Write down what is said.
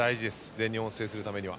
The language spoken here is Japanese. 全日本を制するためには。